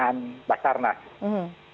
dan pencarian dari kementerian pertama